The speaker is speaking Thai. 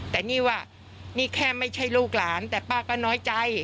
แต่นี่ว่านี่แค่ไม่ใช่ลูกหลานแต่ป้าก็น้อยใจ